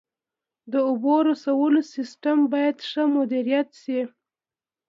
د اوبو رسولو سیستم باید ښه مدیریت شي.